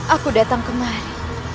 aku datang kemari